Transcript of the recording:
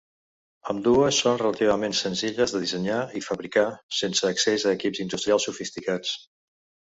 Ambdues són relativament senzilles de dissenyar i fabricar sense accés a equips industrials sofisticats.